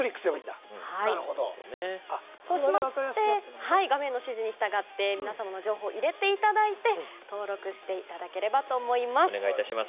あとは画面の指示に従って皆さんの情報を入れていただき登録していただければと思います。